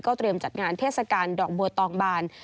เตรียมจัดงานเทศกาลดอกบัวตองบาน